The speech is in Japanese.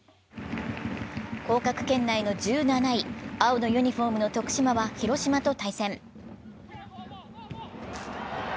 降格圏内の１７位、青にユニフォームの徳島は広島と対戦。